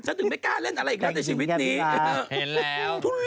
ฉันถึงไม่กล้าเล่นอะไรกันในชีวิตนี้